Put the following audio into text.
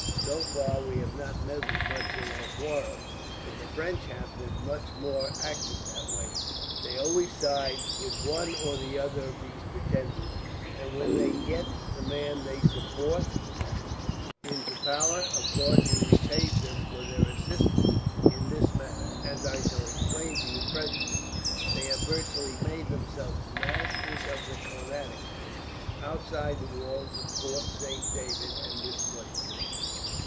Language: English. So far we have not meddled much in their quarrels, but the French have been much more active that way. They always side with one or other of these pretenders, and when they get the man they support into power, of course he repays them for their assistance. In this manner, as I shall explain to you presently, they have virtually made themselves masters of the Carnatic, outside the walls of Fort Saint David and this place.